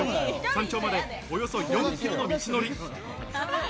山頂まで、およそ４キロの道のり。